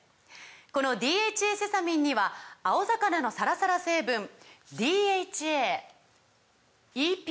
この「ＤＨＡセサミン」には青魚のサラサラ成分ＤＨＡＥＰＡ